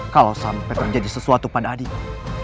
kalau sampai terjadi sesuatu pada adiknya